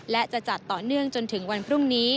และจะจัดต่อเนื่องจนถึงวันพรุ่งนี้